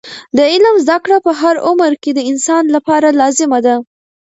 د علم زده کړه په هر عمر کې د انسان لپاره لازمه ده.